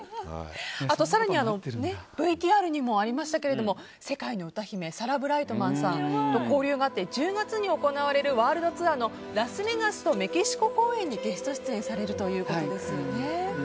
ＶＴＲにもありましたけど世界の歌姫サラ・ブライトマンさんと交流があって、１０月に行われるワールドツアーのラスベガスとメキシコ公演にゲスト出演されるということですよね。